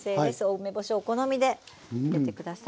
梅干しはお好みで入れて下さい。